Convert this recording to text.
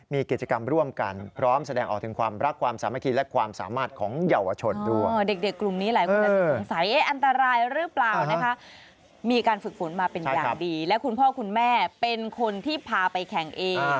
มีการฝึกฝนมาเป็นอย่างดีและคุณพ่อคุณแม่เป็นคนที่พาไปแข่งเอง